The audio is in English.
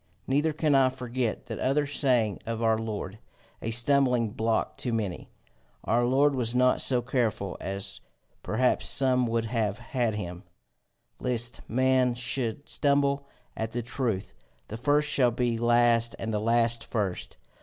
Neither can I forget that other saying of our Lord, a stumbling block to many our Lord was not so careful as perhaps some would have had him, lest men should stumble at the truth The first shall be last and the last first.